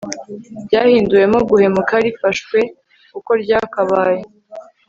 ryahinduwemo guhemuka rifashwe uko ryakabaye